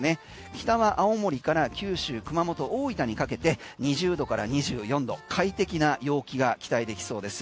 北は青森から九州、熊本、大分にかけて２０度から２４度快適な陽気が期待できそうです。